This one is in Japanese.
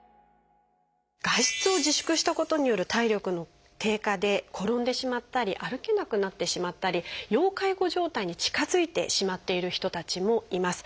外出を自粛したことによる体力の低下で転んでしまったり歩けなくなってしまったり要介護状態に近づいてしまっている人たちもいます。